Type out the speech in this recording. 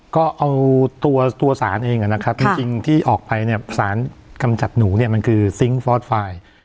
ก็เอาตัวสารเองนะครับจริงที่ออกไปเนี่ยสารกำจัดหนูเนี่ยมันคือซิงค์ฟอสไฟล์